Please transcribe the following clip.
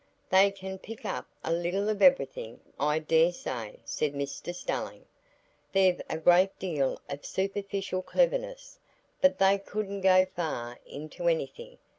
"They can pick up a little of everything, I dare say," said Mr Stelling. "They've a great deal of superficial cleverness; but they couldn't go far into anything.